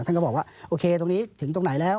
ก็บอกว่าโอเคตรงนี้ถึงตรงไหนแล้ว